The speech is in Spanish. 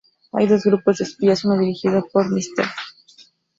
Hay dos Grupos de espías uno dirigido por Mr.